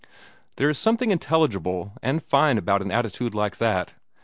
There is something intelligible and fine about an attitude like that.